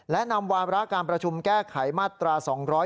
และนำวาระการประชุมแก้ไขมาตรา๒๗